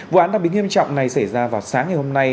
vụ án đặc biệt nghiêm trọng này xảy ra vào sáng ngày hôm nay